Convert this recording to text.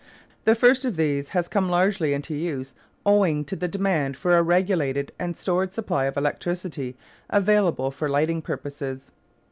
The first of these has come largely into use owing to the demand for a regulated and stored supply of electricity available for lighting purposes.